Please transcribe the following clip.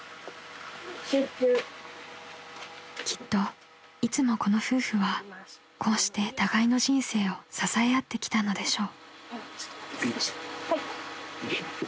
［きっといつもこの夫婦はこうして互いの人生を支え合ってきたのでしょう］